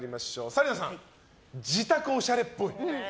紗理奈さん、自宅おしゃれっぽい。